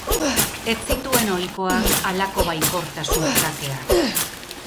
Ez zituen ohikoak halako baikortasun atakeak.